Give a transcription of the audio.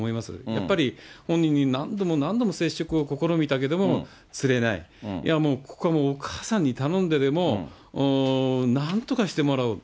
やっぱり本人に何度も何度も接触を試みたけれども、つれない、いやもうここはお母さんに頼んででも、なんとかしてもらおう。